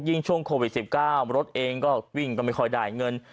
เลี้ยงลูกยิ่งช่วงโควิด๑๙รถเองก็วิ่งก็ไม่ค่อยได้เงิน